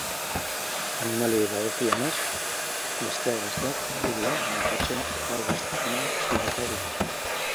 Animaliei dagokienez, besteak beste, kangurua, mapatxea eta hegazterrena azalduko dira.